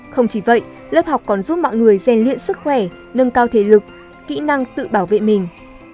không chỉ vậy lớp học còn giúp mọi người rèn luyện sức khỏe nâng cao thể lực kỹ năng tự bảo vệ mình